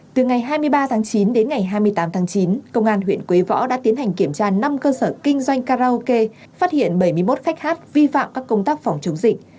từ ngày hai mươi ba tháng chín đến ngày hai mươi tám tháng chín công an huyện quế võ đã tiến hành kiểm tra năm cơ sở kinh doanh karaoke phát hiện bảy mươi một khách hát vi phạm các công tác phòng chống dịch